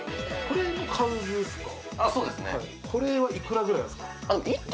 これはいくらぐらいですか？